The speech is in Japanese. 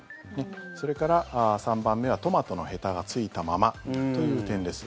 それから、３番目はトマトのへたがついたままという点です。